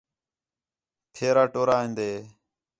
پھیرا ٹورا ہیندے